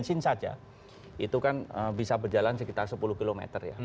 bensin saja itu kan bisa berjalan sekitar sepuluh km